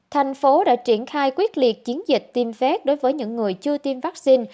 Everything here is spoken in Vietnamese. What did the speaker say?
thành phố đã triển khai quyết liệt chiến dịch tiêm phép đối với những người chưa tiêm vaccine